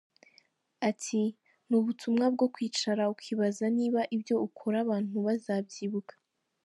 Ati “Ni ubutumwa bwo kwicara ukibaza niba ibyo ukora abantu bazabyibuka.